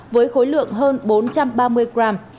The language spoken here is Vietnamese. với khối lượng hơn bốn trăm ba mươi gram